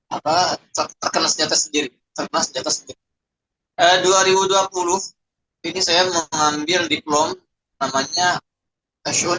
apa terkena senjata sendiri terpaksa dua ribu dua puluh ini saya mengambil diplom namanya asyik